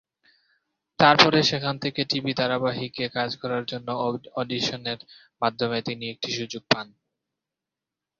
তারপরে সেখান থেকে টিভি ধারাবাহিকে কাজ করার জন্য অডিশনের মাধ্যমে তিনি একটি সুযোগ পান।